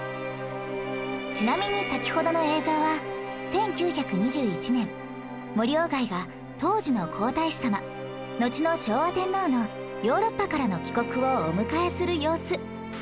ちなみに先ほどの映像は１９２１年森外が当時の皇太子さまのちの昭和天皇のヨーロッパからの帰国をお迎えする様子